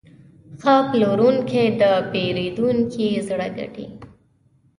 ښه پلورونکی د پیرودونکي زړه وګټي.